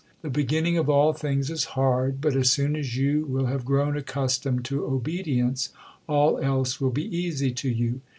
The beginning of all things is hard, but as soon as you will have grown accustomed to obedience, all else will be easy to you.